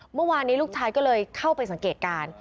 เมื่อวานนี้ลูกชายก็เลยเข้าไปสังเกตการณ์